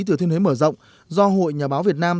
thừa thiên huế mở rộng do hội nhà báo việt nam